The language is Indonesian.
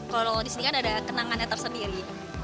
kalau di sini kan ada kenangannya tersendiri